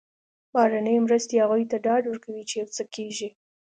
بهرنۍ مرستې هغوی ته ډاډ ورکوي چې یو څه کېږي.